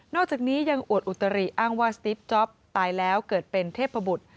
อกจากนี้ยังอวดอุตริอ้างว่าสติฟจ๊อปตายแล้วเกิดเป็นเทพบุตร